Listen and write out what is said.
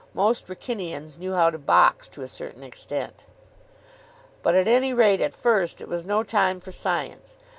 Most Wrykynians knew how to box to a certain extent. But, at any rate at first, it was no time for science.